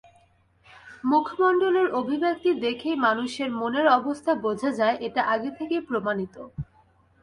মুখমণ্ডলের অভিব্যক্তি দেখেই মানুষের মনের অবস্থা বোঝা যায়, এটা আগে থেকেই প্রমাণিত।